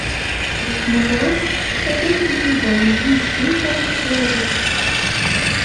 Deg tneẓruft, ala tigida n yijdi ara tettwaliḍ.